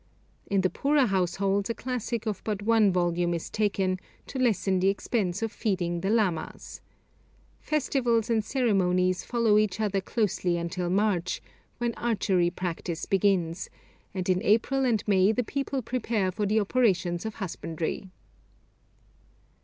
In the poorer households a classic of but one volume is taken, to lessen the expense of feeding the lamas. Festivals and ceremonies follow each other closely until March, when archery practice begins, and in April and May the people prepare for the operations of husbandry.